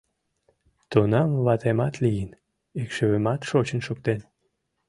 Тунам ватемат лийын, икшывемат шочын шуктен.